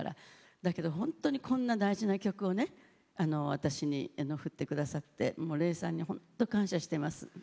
だけど本当にこんな大事な曲を私に振ってくださって礼さんには本当に感謝しています。